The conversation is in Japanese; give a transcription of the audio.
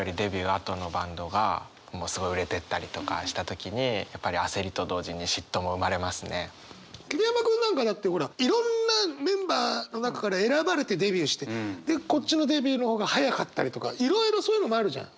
あとのバンドがもうすごい売れてったりとかした時に桐山君なんかだってほらいろんなメンバーの中から選ばれてデビューしてでこっちのデビューの方が早かったりとかいろいろそういうのもあるじゃん。